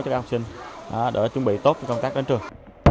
cho các học sinh đỡ chuẩn bị tốt cho công tác đến trường